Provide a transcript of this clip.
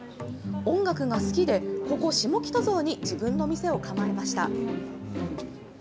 音楽が好きで、ここ下北沢に自分の店を構えました。